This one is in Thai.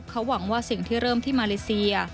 เขาหวังว่าสิ่งที่เริ่มที่มาเลเซีย